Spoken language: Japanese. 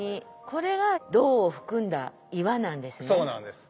これが銅を含んだ岩なんですね。